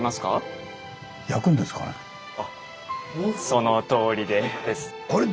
そのとおりです。